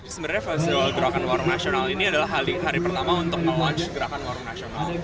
sebenarnya festival gerakan warung nasional ini adalah hari pertama untuk melaunch gerakan warung nasional